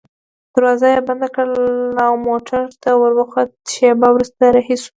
دروازه يې بنده کړل او موټر ته وروخوت، شېبه وروسته رهي شوو.